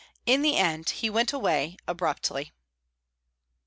In the end he went away abruptly.